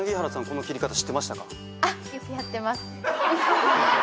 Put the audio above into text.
この切り方知ってましたか？